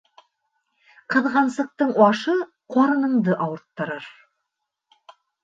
Кыҙғансыҡтың ашы ҡарыныңды ауырттырыр.